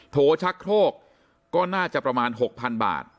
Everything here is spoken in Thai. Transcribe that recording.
โชชักโครกก็น่าจะประมาณ๖๐๐๐บาท